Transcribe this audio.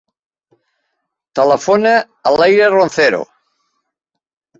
Telefona a l'Eyra Roncero.